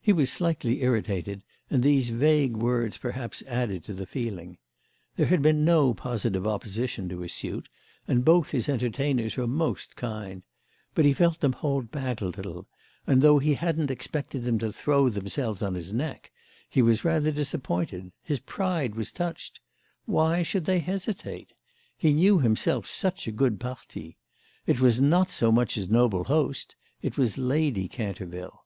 He was slightly irritated, and these vague words perhaps added to the feeling. There had been no positive opposition to his suit, and both his entertainers were most kind; but he felt them hold back a little, and though he hadn't expected them to throw themselves on his neck he was rather disappointed—his pride was touched. Why should they hesitate? He knew himself such a good parti. It was not so much his noble host—it was Lady Canterville.